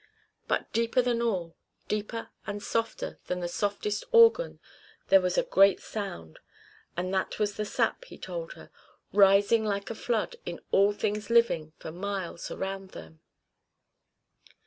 But deeper than all, deeper and softer than the softest organ, there was a great sound; and that was the sap, he told her, rising like a flood in all things living for miles around them.